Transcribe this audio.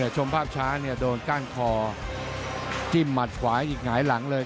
ชมภาพช้าโดนก้านคอจิ้มหมัดขวาอีกหงายหลังเลย